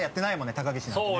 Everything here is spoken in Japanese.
高岸なんてね。